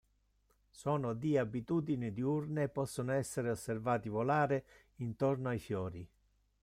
Sono di abitudini diurne e possono essere osservati volare intorno ai fiori.